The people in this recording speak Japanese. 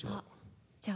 じゃあ。